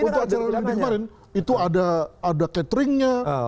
untuk acara lunding kemarin itu ada cateringnya